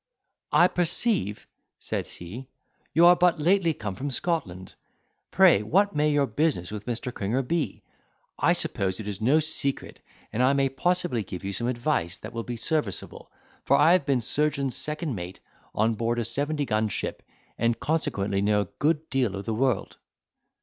"I perceive," says he, "you are but lately come from Scotland; pray what may your business with Mr. Cringer be? I suppose it is no secret and I may possibly give you some advice that will be serviceable, for I have been surgeon's second mate on board of a seventy gun ship, and consequently know a good deal of the world."